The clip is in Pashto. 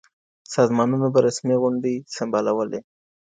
سازمانونو به رسمي غونډي سمبالولې.